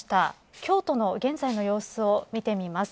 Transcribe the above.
京都の現在の様子を見てみます。